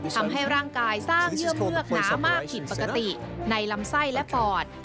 ทำให้ร่างกายสร้างเยื่อเงือกหนามากผิดปกติในลำไส้และปอด